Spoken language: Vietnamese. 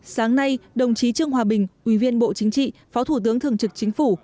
sáng nay đồng chí trương hòa bình ủy viên bộ chính trị phó thủ tướng thường trực chính phủ